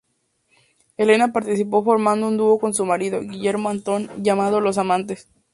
Helena participó formando un dúo con su marido, Guillermo Antón, llamado "Los Amantes".